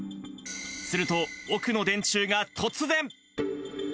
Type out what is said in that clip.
すると、奥の電柱が突然。